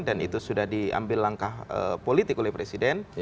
dan itu sudah diambil langkah politik oleh presiden